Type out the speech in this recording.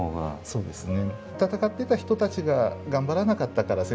そうですね。